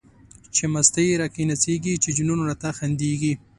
چی مستی را کی نڅيږی، چی جنون را ته خنديږی